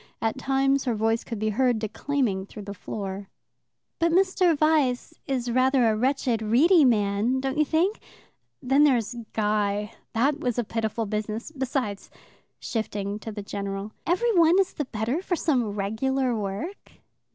At times her voice could be heard declaiming through the floor. "But Mr. Vyse is rather a wretched, weedy man, don't you think? Then there's Guy. That was a pitiful business. Besides" shifting to the general " every one is the better for some regular work."